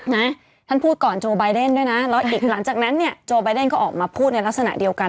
นะท่านพูดก่อนโจไบเดนด้วยนะแล้วอีกหลังจากนั้นเนี่ยโจไบเดนก็ออกมาพูดในลักษณะเดียวกัน